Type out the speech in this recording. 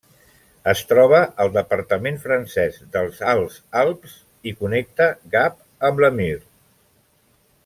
Es troba al departament francès dels Alts Alps, i connecta Gap amb La Mure.